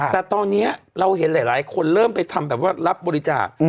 แต่ตอนนี้เราเห็นหลายคนเริ่มไปทำแบบว่ารับบริจาค